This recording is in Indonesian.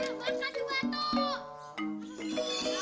ah bang kacu batu